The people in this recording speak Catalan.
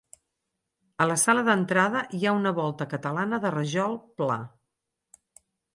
A la sala d'entrada hi ha una volta catalana de rajol pla.